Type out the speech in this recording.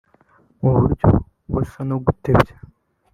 Mu buryo busa no gutebya